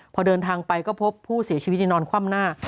พอเดินทางไปก็พบผู้เสียชีวิตนอนคว่ำหน้า